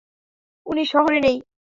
উনি শহরে নেই।